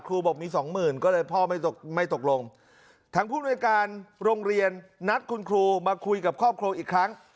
ครูบอกมี๒๐๐๐ก็เลยพ่อไม่ตกลงทางผู้บริการรงเรียนนัดขุนครูมาคุยกับครอบครัวอีกครั้ง